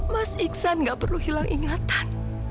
mas iksan gak perlu hilang ingatan